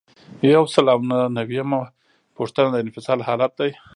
یو سل او نهه نوي یمه پوښتنه د انفصال حالت دی.